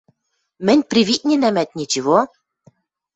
– Мӹнь привикненӓмӓт, ничего...